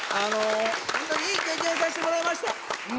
本当に、いい経験させてもらいました。